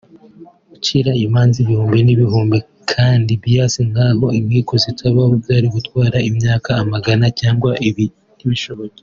Gucira imanza ibihumbi n’ibihumbi kandi bias nkaho inkiko zitabaho byari gutwara imyaka amagana cyangwa ntibishoboke